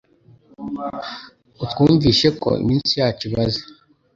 Utwumvishe ko iminsi yacu ibaze